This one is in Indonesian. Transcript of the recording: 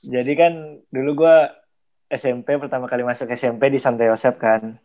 jadi kan dulu gue smp pertama kali masuk smp di santayosep kan